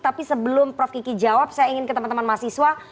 tapi sebelum prof kiki jawab saya ingin ke teman teman mahasiswa